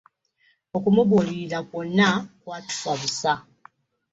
Okumubuulirira kwonna kwatufa busa.